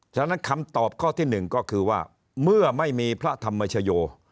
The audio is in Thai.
ฉะนั้นคำตอบข้อที่หนึ่งก็คือว่าเมื่อไม่มีพระธรรมชโย